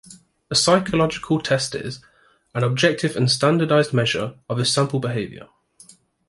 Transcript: A psychological test is "an objective and standardized measure of a sample of behavior".